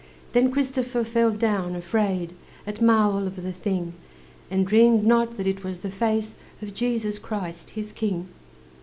Then Christopher fell down, afraid At marvel of the thing, And dreamed not that it was the face Of Jesus Christ, his King.